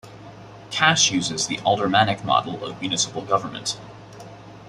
Cache uses the Aldermanic model of municipal government.